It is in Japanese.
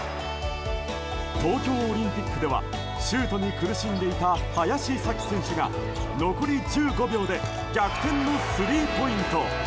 東京オリンピックではシュートに苦しんでいた林咲希選手が残り１５秒で逆転のスリーポイント。